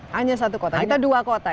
hanya satu kota kita dua kota ya